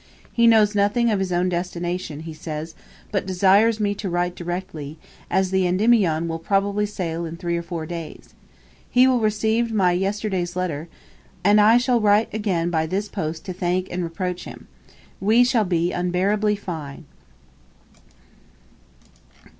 He knows nothing of his own destination, he says, but desires me to write directly, as the "Endymion" will probably sail in three or four days. He will receive my yesterday's letter, and I shall write again by this post to thank and reproach him. We shall be unbearably fine.'